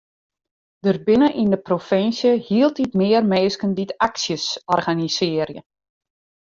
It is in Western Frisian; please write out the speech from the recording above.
Der binne yn de provinsje hieltyd mear minsken dy't aksjes organisearje.